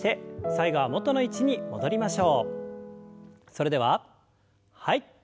それでははい。